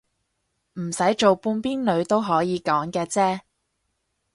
唔使做半邊女都可以講嘅啫